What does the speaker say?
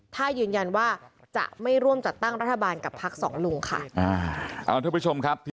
ถ้ายืนยันว่าจะไม่ร่วมจัดตั้งรัฐบาลกับพักสองลุงค่ะ